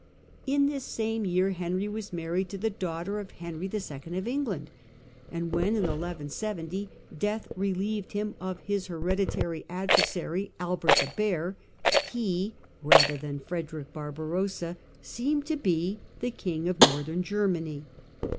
In this same year Henry was married to the daughter of Henry 11. of England, and when in 1170 death relieved him of his hereditary adversary, Albert the Bear, he, rather than Frederick Barbarossa, seemed to be the king of Northern Germany.